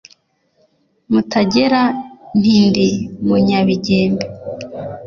mutagera! nti ndi munyabigembe